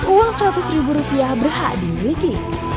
uang seratus ribu rupiah berhak dimiliki